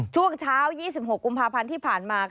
ช่วงเช้า๒๖กุมภาพันธ์ที่ผ่านมา